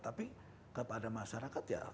tapi kepada masyarakat ya kita harus menyajikan